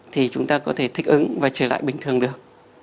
thì chúng ta có thể thích ứng và trở lại bình thường được